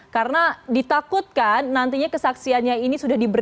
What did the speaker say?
karena ditakutkan nantinya kesaksiannya ini sudah dikonsumsi